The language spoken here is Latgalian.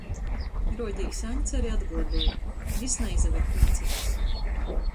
Ruodīs, Aņds ari atguodoj, jis naizaver prīceigs.